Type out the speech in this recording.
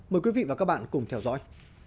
mời quý vị và các bạn cùng theo dõi